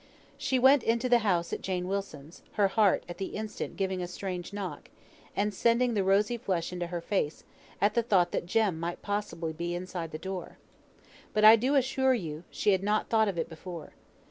She went into the house at Jane Wilson's, her heart at the instant giving a strange knock, and sending the rosy flush into her face, at the thought that Jem might possibly be inside the door. But I do assure you, she had not thought of it before.